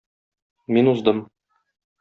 Мин уздым.